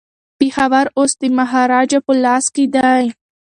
پېښور اوس د مهاراجا په لاس کي دی.